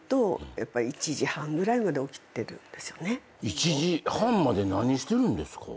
１時半まで何してるんですか？